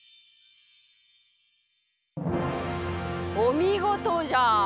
おみごとじゃ！